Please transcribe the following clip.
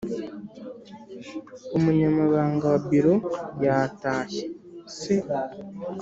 Umunyamabanga wa Biro yatashye se